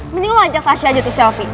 mending lo ajak fasya aja tuh selfie